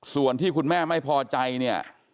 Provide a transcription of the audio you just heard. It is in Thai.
ส่วนที่คุณแม่ไม่พอใจเนี่ย